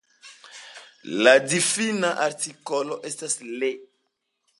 La difina artikolo estas Le.